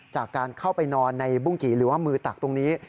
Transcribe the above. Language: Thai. จากการเข้าไปนอนในบุ้งกี่หรือว่ามือตักตรงนี้